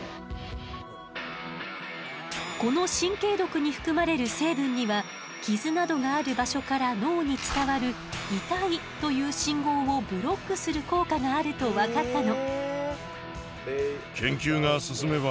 この神経毒に含まれる成分には傷などがある場所から脳に伝わる「痛い」という信号をブロックする効果があると分かったの。